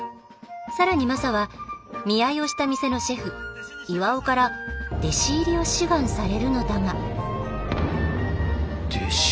更にマサは見合いをした店のシェフ巌から弟子入りを志願されるのだが弟子？